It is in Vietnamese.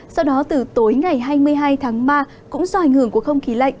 sau đó từ tối ngày hai mươi hai tháng ba cũng xoài ngưỡng của không khí lạnh